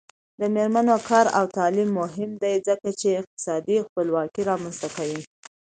د میرمنو کار او تعلیم مهم دی ځکه چې اقتصادي خپلواکۍ رامنځته کوي.